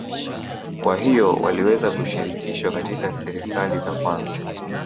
kwa hiyo waliweza kushirikishwa katika serikali za kwanza